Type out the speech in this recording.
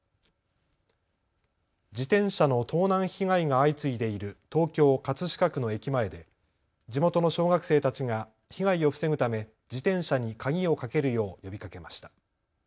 自転車の盗難被害が相次いでいる東京葛飾区の駅前で地元の小学生たちが被害を防ぐため自転車に鍵をかけるよう呼びかけました。